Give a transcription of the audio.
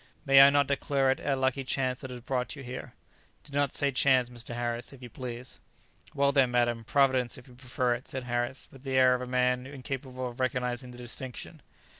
May I not declare it a lucky chance that has brought you here?" "Do not say chance, Mr. Harris, if you please." "Well, then, madam; providence, if you prefer it," said Harris, with the air of a man incapable of recognizing the distinction.